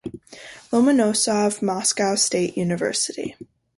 Lomonosov Moscow State University.